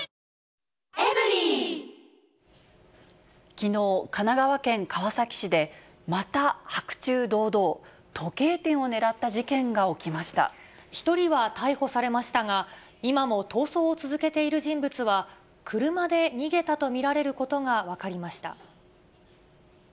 きのう、神奈川県川崎市で、また白昼堂々、１人は逮捕されましたが、今も逃走を続けている人物は、車で逃げたと見られることが分かりました。